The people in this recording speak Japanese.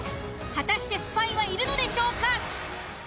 果たしてスパイはいるのでしょうか？